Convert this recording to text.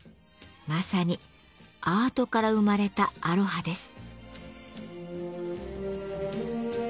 まさにアートから生まれたアロハです。